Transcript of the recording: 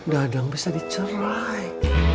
dadang bisa dicerai